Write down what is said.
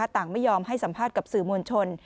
ต่างไม่ยอมให้สัมภาษณ์กับสื่อมวลชน